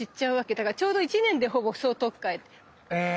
だからちょうど１年でほぼ総取っ替え。へ。